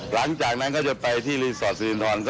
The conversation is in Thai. หลังจากนั้นก็จะไปที่รีสอร์ทศิรินทร